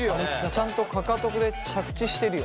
ちゃんとかかとで着地してるよ。